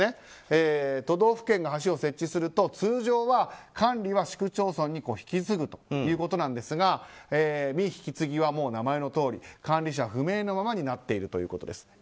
都道府県が橋を設置すると通常は管理は市区町村に引き継ぐということなんですが未引き継ぎは名前のとおり管理者不明のままになっているということです。